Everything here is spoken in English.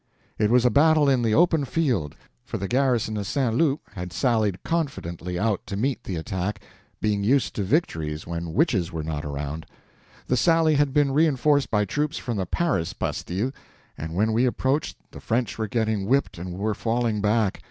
It was a battle in the open field; for the garrison of St. Loup had sallied confidently out to meet the attack, being used to victories when "witches" were not around. The sally had been reinforced by troops from the "Paris" bastille, and when we approached the French were getting whipped and were falling back.